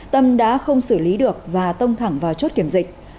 tâm đã không xử lý được và tông thẳng vào chốt kiểm dịch